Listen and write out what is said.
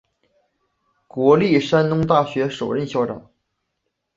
国立山东大学首任校长。